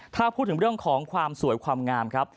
ถ้าพูดถึงเรื่องของความสวยความงามครับ